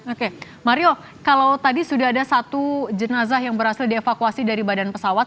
oke mario kalau tadi sudah ada satu jenazah yang berhasil dievakuasi dari badan pesawat